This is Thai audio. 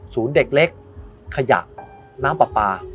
ศูนย์เด็กเล็กขยะน้ำปลา